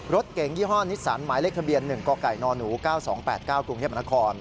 รถเก๋งยี่ห้อนิสสันหมายเลขทะเบียน๑กกนหนู๙๒๘๙กรุงเทพนคร